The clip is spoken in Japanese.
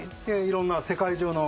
色んな世界中の。